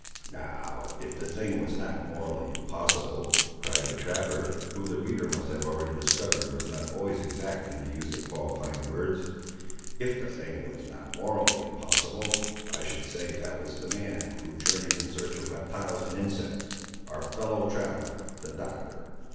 "Now, if the thing was not morally impossible," cried the trapper, who the reader must have already discovered was not always exact in the use of qualifying words, "if the thing was not morally impossible, I should say, that was the man, who journeys in search of reptiles and insects: our fellow traveller the Doctor."